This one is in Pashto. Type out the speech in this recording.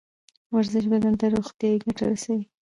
ورزش بدن ته روغتیایی ګټه رسوي